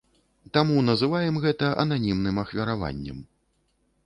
Таму называем гэта ананімным ахвяраваннем.